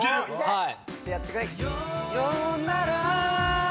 はい。